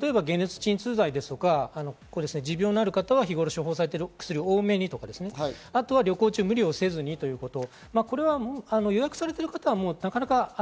例えば解熱鎮痛剤とか、持病のある方は日頃処方されている薬を多めにとか、あとは旅行中、無理をせずにということ。